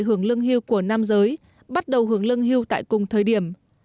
hưởng lương hưu của nam giới bắt đầu hưởng lương hưu tại cùng thời điểm